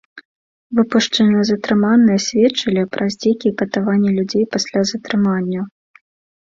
Выпушчаныя затрыманыя сведчылі пра здзекі і катаванні людзей пасля затрыманняў.